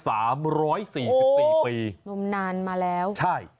นามนานมาแล้วใช่